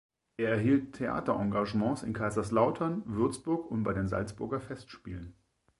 Er erhielt Theaterengagements in Kaiserslautern, Würzburg und bei den Salzburger Festspielen.